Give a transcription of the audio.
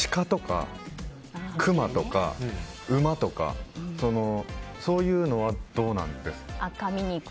例えばシカとかクマとか馬とかそういうのはどうなんですか。